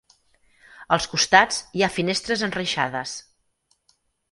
Als costats, hi ha finestres enreixades.